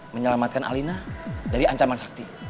menyelamatkan alina dari ancaman sakti